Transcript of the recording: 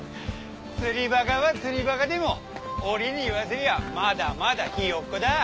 釣りバカは釣りバカでも俺に言わせりゃまだまだヒヨッコだ。